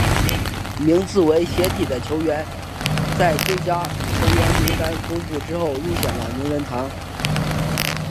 名字为斜体的球员在最佳球队名单公布之后入选了名人堂。